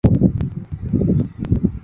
石隙掠蛛为平腹蛛科掠蛛属的动物。